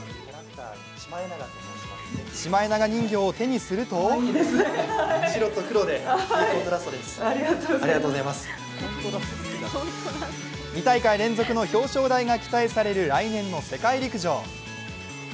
シマエナガ人形を手にすると２体会連続の表彰台が期待される来年の世界陸上。